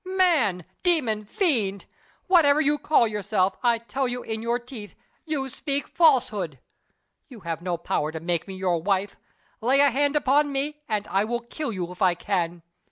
"Man! Demon! Fiend! Whatever you call yourself, I tell you, in your teeth, you speak falsehood! You have no power to make me your wife! Lay a hand upon me, and I will kill you if I can!